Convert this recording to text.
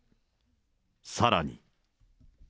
さらに。